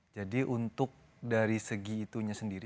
jadi untuk dari segi itunya sendiri